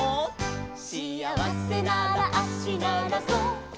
「しあわせなら足ならそう」